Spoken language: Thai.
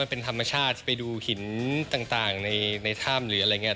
เป็นธรรมชาติไปดูหินต่างในถ้ำหรืออะไรอย่างนี้